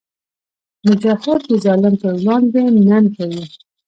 مجاهد د ظالم پر وړاندې ننګ کوي.